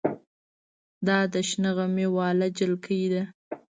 دا د شنه غمي واله جلکۍ ده.